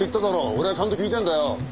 俺はちゃんと聞いてるんだよ。